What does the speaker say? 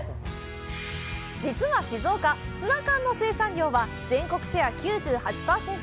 実は静岡、ツナ缶の生産量は全国シェア９８％。